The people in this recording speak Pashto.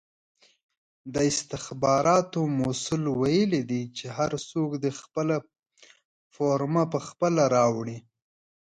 د استخباراتو مسئول ویلې دي چې هر څوک دې خپله فرمه پخپله راوړي!